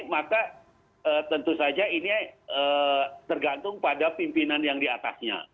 maka tentu saja ini tergantung pada pimpinan yang diatasnya